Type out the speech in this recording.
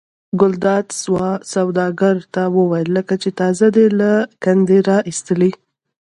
ګلداد سوداګر ته وویل لکه چې تازه دې له کندې را ایستلي.